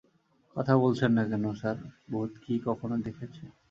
কথা বলছেন না কেন স্যার, ভূত কি কখনো দেখেছে্ন?